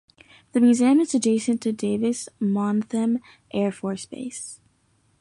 The museum is adjacent to Davis-Monthan Air Force Base.